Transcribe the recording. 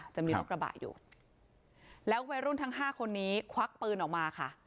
เดี๋ยวไว้รุ่นทั้ง๕คนนี้ควักปืนออกมาค่ะ